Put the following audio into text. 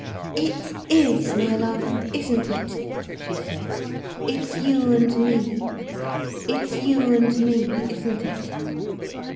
"It is, my love, isn't it," she said. "It's you and me. It's you and me, isn't it?"